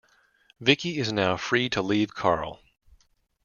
Vicki is now free to leave Carl.